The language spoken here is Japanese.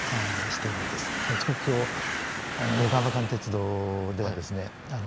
東京横浜間鉄道ではですね